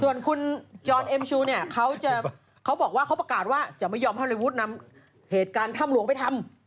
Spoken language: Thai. ส่วนคุณจรเอ็มชูเนี่ยเขาจะเขาบอกว่าเขาประกาศว่าจะไม่ยอมให้วุฒินำเหตุการณ์ถ้ำหลวงไปทำ